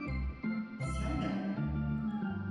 Sen de al.